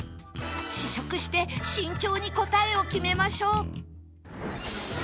試食して慎重に答えを決めましょう